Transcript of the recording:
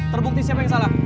terbukti siapa yang salah